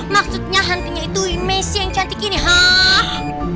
maksudnya hantunya itu messi yang cantik ini haaa